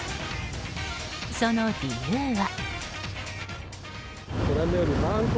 その理由は。